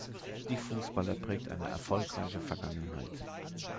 Die Fußballer prägt eine erfolgreiche Vergangenheit.